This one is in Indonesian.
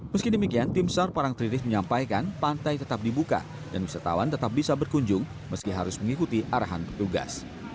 meski demikian tim sar parang triris menyampaikan pantai tetap dibuka dan wisatawan tetap bisa berkunjung meski harus mengikuti arahan petugas